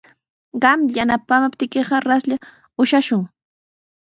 Qam yanapaamaptiykiqa raslla ushashun.